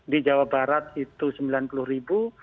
di jawa barat itu sembilan puluh ribu